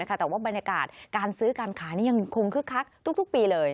แต่ว่าบรรยากาศการซื้อการขายนี่ยังคงคึกคักทุกปีเลย